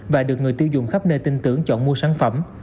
và được người tiêu dùng khắp nơi tin tưởng chọn mua sản phẩm